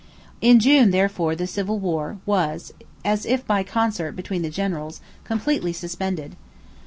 In June therefore the civil war was, as if by concert between the generals, completely suspended.